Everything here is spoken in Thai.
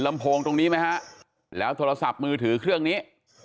โพงตรงนี้ไหมฮะแล้วโทรศัพท์มือถือเครื่องนี้